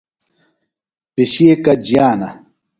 پِشیکہ جیانہ۔